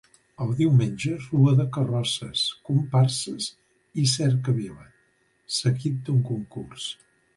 El diumenge rua de carrosses, comparses i cercavila, seguit d'un concurs.